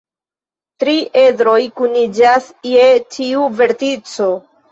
Tri edroj kuniĝas je ĉiu vertico.